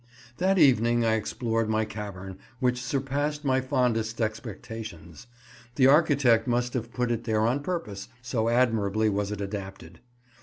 That evening I explored my cavern, which surpassed my fondest expectations; the architect must have put it there on purpose, so admirably was it adapted.